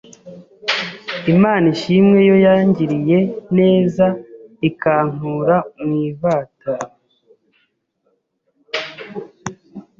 Imana ishimwe yo yangiriye neza ikankura mu ivata